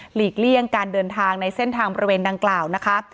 เลี่ยงการเดินทางในเส้นทางบริเวณดังกล่าวนะคะ